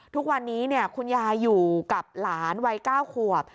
ทุกวันนี้คุณยายอยู่กับหลานวัย๙ขวบ